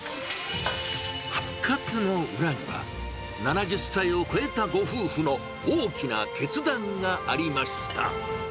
復活の裏には、７０歳を超えたご夫婦の大きな決断がありました。